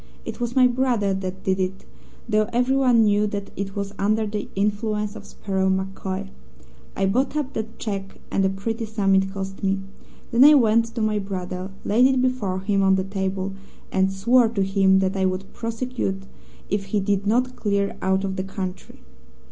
It was my brother that did it, though everyone knew that it was under the influence of Sparrow MacCoy. I bought up that cheque, and a pretty sum it cost me. Then I went to my brother, laid it before him on the table, and swore to him that I would prosecute if he did not clear out of the country.